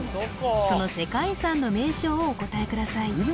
その世界遺産の名称をお答えください